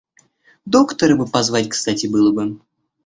Доктора бы позвать, кстати было бы.